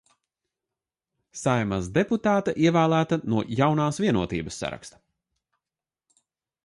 "Saeimas deputāte, ievēlēta no "Jaunās Vienotības" saraksta."